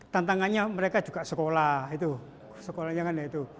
tantangannya mereka juga sekolah itu sekolahnya kan itu